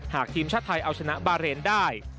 หากทีมชาติไทยเอาชนะบาเรนได้